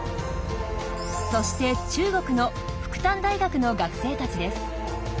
そして中国の復旦大学の学生たちです。